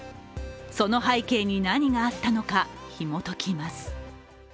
その背景に何があったのか、ひも解きます。